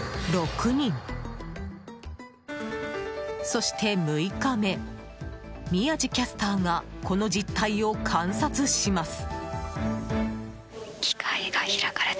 そして６日目、宮司キャスターがこの実態を観察します。